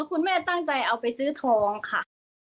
คุณแม่ตั้งใจเอาไปซื้อทองค่ะ